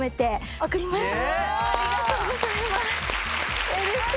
ありがとうございますうれしい。